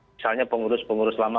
misalnya pengurus pengurus lama